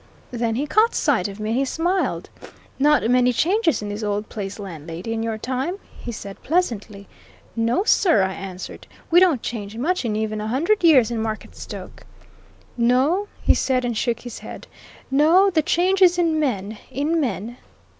Then he caught sight of me, and he smiled. 'Not many changes in this old place, landlady, in your time?' he said pleasantly. 'No, sir,' I answered. 'We don't change much in even a hundred years in Marketstoke.' 'No!' he said, and shook his head. 'No the change is in men, in men!'